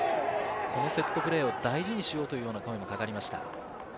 このセットプレーを大事しようという声がかかりました。